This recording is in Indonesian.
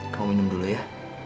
kamu minum dulu ya